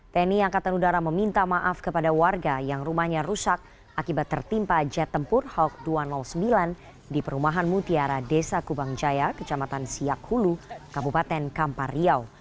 tni angkatan udara meminta maaf kepada warga yang rumahnya rusak akibat tertimpa jet tempur hawk dua ratus sembilan di perumahan mutiara desa kubang jaya kecamatan siak hulu kabupaten kampar riau